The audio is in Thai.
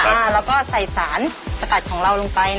แล้วก็ใส่สารสกัดของเราลงไป